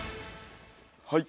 はい。